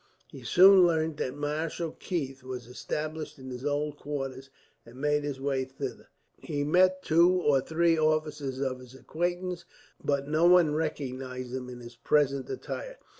He soon learnt that Marshal Keith was established in his old quarters, and made his way thither. He met two or three officers of his acquaintance, but no one recognized him in his present attire.